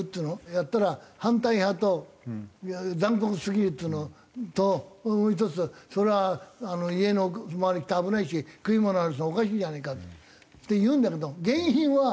やったら反対派と残酷すぎるっていうのともう１つそれは家の周りに来て危ないし食い物あるしおかしいじゃないかって言うんだけど原因は。